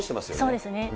そうですね。